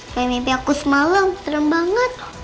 kayak nanti aku semalam serem banget